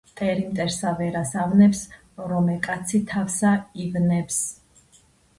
მტერი მტერსა ვერას ავნებს, რომე კაცი თავსა ივნებს